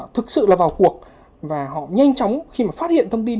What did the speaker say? thực sự là vào cuộc và họ nhanh chóng khi mà phát hiện thông tin